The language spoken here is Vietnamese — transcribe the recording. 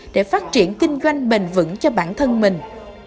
để phát triển kinh doanh bền vững cho bản thân mình